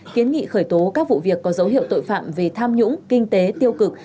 kiến nghị khởi tố các vụ việc có dấu hiệu tội phạm về tham nhũng kinh tế tiêu cực